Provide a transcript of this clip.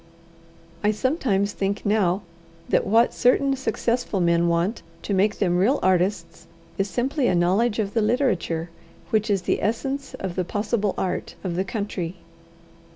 I sometimes think now, that what certain successful men want to make them real artists, is simply a knowledge of the literature which is the essence of the possible art of the country.